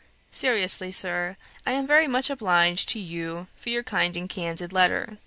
Seriously, sir, I am very much obliged to you for your kind and candid letter.